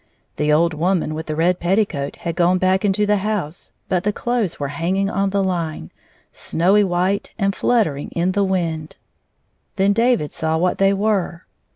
The old woman with the red petticoat had gone back into the house, but the clothes were hanging on the line, snowy white and fluttering in the wind. 114 Then David saw what they were.